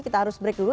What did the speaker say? kita harus break dulu